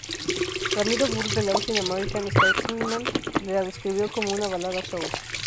Ramiro Burr del "Austin American-Statesman" la describió como una balada "soul".